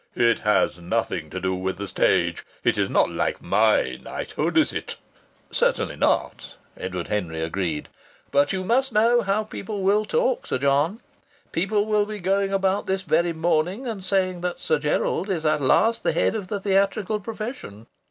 "It has nothing to do with the stage. It is not like my knighthood, is it?" "Certainly not," Edward Henry agreed. "But you know how people will talk, Sir John. People will be going about this very morning and saying that Sir Gerald is at last the head of the theatrical profession.